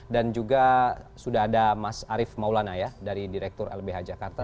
dan juga sudah ada mas arief maulana ya dari direktur lbh jakarta